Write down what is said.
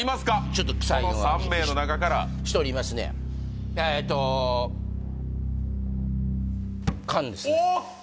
ちょっとクサいのがこの３名の中から１人いますねえっと菅ですおっと！